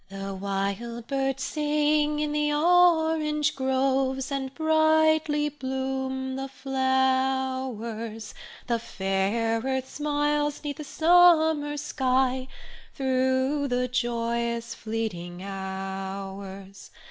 _ The wild birds sing in the orange groves, And brightly bloom the flowers; The fair earth smiles 'neath a summer sky Through the joyous fleeting hours.